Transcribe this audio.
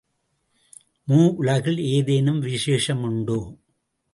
மூவுலகில் ஏதேனும் விசேஷ முண்டோ?